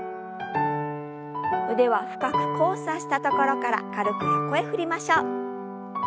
腕は深く交差したところから軽く横へ振りましょう。